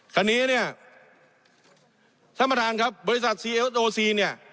ท่านประธานครับบริษัทซีเอสโอซีเนี่ย